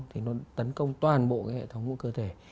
thì nó tấn công toàn bộ cái hệ thống của cơ thể